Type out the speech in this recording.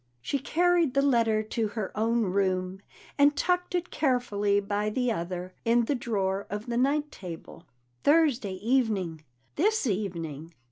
She carried the letter to her own room and tucked it carefully by the other in the drawer of the night table. Thursday evening this evening!